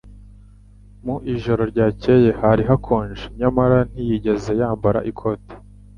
Mu ijoro ryakeye hari hakonje, nyamara ntiyigeze yambara ikote.